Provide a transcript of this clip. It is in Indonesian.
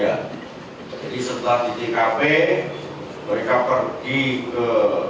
setelah di tkp mereka pergi ke